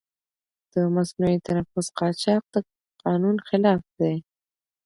د مصنوعي تنفس قاچاق د قانون خلاف دی.